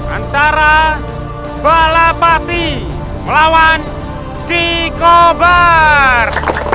antara balapati melawan kikobar